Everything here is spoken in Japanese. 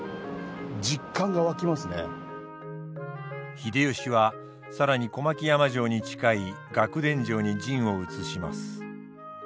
秀吉は更に小牧山城に近い楽田城に陣を移します。